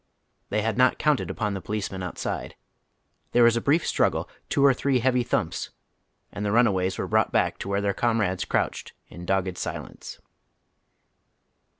Tiiey had not counted upon the policemen outside. There was a brief struggle, two or three heavy thumps, and tlie runaways were brought hack to where their comrades crouched in dogged silence.